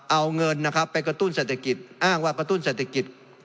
เอาเงินนะครับไปกระตุ้นเศรษฐกิจอ้างว่ากระตุ้นเศรษฐกิจ